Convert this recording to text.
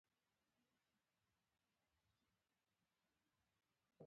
انا د ادب یو ښوونځی ده